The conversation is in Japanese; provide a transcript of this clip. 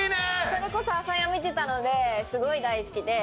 それこそ『ＡＳＡＹＡＮ』見てたのですごい大好きで。